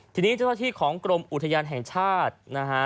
ทีนี้เจ้าหน้าที่ของกรมอุทยานแห่งชาตินะฮะ